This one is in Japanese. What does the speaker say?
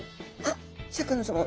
シャーク香音さま